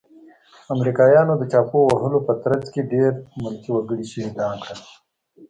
امريکايانو د چاپو وهلو په ترڅ کې ډير ملکي وګړي شهيدان کړل.